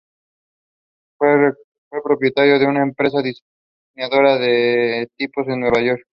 Fue propietario de una Empresa diseñadora de tipos en Nueva York.